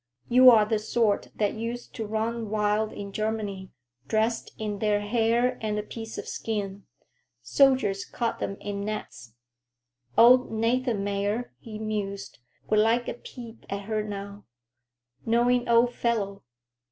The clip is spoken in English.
"You are the sort that used to run wild in Germany, dressed in their hair and a piece of skin. Soldiers caught 'em in nets. Old Nathanmeyer," he mused, "would like a peep at her now. Knowing old fellow.